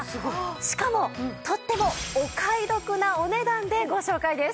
しかもとってもお買い得なお値段でご紹介です。